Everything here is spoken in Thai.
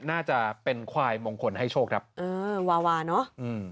น่าจะเป็นควายมงคลให้โชคครับเออวาวาเนอะอืม